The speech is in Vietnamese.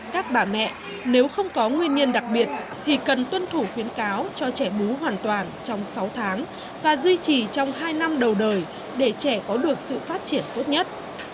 các bà mẹ nếu không có nguyên nhân đặc biệt thì cần tuân thủ khuyến cáo cho trẻ bú hoàn toàn trong sáu tháng và duy trì trong hai năm đầu đời để trẻ có được sự phát triển tốt nhất